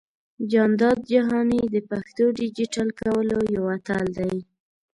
جانداد جهاني د پښتو ډىجيټل کولو يو اتل دى.